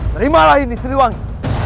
terimalah ini sriwangi